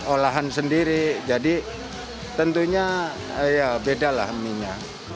olahan sendiri jadi tentunya beda lah mie nya